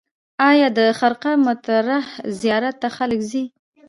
آیا د خرقه مطهره زیارت ته خلک ځي؟